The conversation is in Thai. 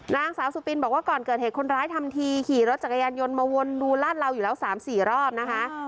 นางสาวสุปินบอกว่าก่อนเกิดเหตุคนร้ายทำทีขี่รถจักรยานยนต์มาวนดูลาดเหลาอยู่แล้ว๓๔รอบนะคะ